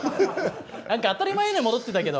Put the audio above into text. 何か当たり前のように戻ってたけど。